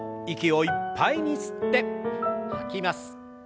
息をいっぱいに吸って吐きます。